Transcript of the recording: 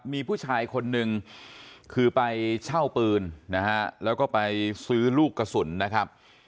มีผู้ชายคนนึงคือไปเช่าปืนนะฮะแล้วก็ไปซื้อลูกกระสุนนะครับ